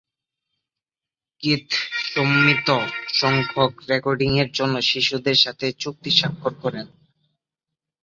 Keith সীমিত সংখ্যক রেকর্ডিংয়ের জন্য শিশুদের সাথে চুক্তি স্বাক্ষর করেন।